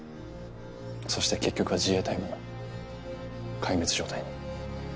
そして結局は自衛隊も壊滅状態に。